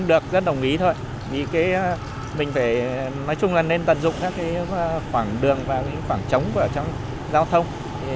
được rất đồng ý thôi vì mình nói chung là nên tận dụng các khoảng đường và khoảng trống trong giao thông